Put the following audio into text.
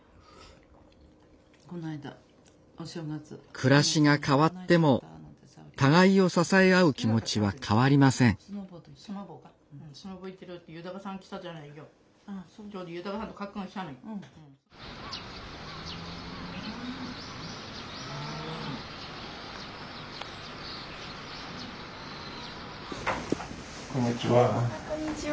暮らしが変わっても互いを支え合う気持ちは変わりませんこんにちは。